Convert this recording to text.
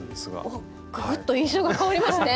おっぐぐっと印象が変わりますね。